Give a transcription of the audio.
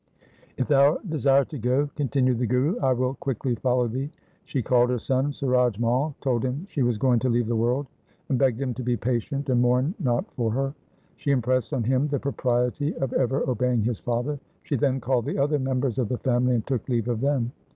1 ' If thou desire to go,' continued the Guru, ' I will quickly follow thee.' She called her son Suraj Mai, told him she was going to leave the world, and begged him to be patient and mourn not for her. She impressed on him the propriety of ever obeying his father. She then called the other members of the family and took leave of them.